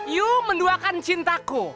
yuk menduakan cintaku